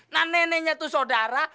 nah neneknya itu saudara